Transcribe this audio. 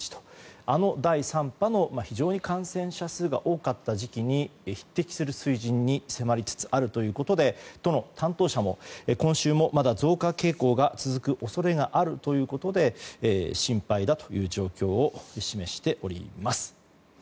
あの第３波の非常に感染者数が多かった時期に迫りつつあるということで都の担当者も今週もまだ、増加傾向が続く恐れがあるということで心配だという状況を示しています。